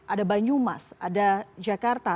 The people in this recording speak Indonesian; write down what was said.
ada banyumas ada jakarta